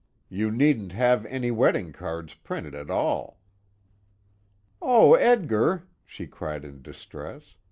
You needn't have any wedding cards printed at all." "Oh Edgar!" she cried in distress.